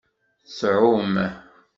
Tɛum.